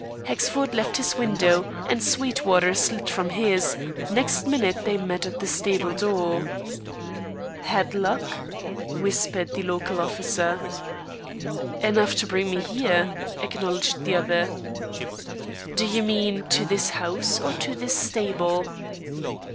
Hexford left his window, and Sweetwater slid from his; next minute they met at the stable door. "Had luck?" whispered the local officer. "Enough to bring me here," acknowledged the other. "Do you mean to this house or to this stable?"